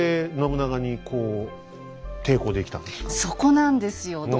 そこなんですよ。